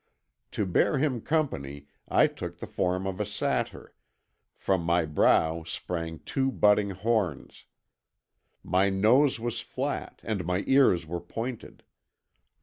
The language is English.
To bear him company I took the form of a satyr; from my brow sprang two budding horns. My nose was flat and my ears were pointed.